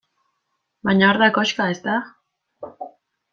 Baina hor da koxka, ezta?